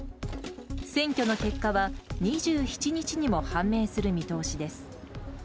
選挙の結果は２７日にも判明する見通しです。